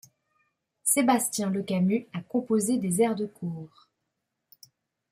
Sébastien Le Camus a composé des airs de cour.